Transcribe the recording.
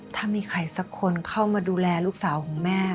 ถ้ามีใครสักคนเข้ามาดูแลลูกสาวของแม่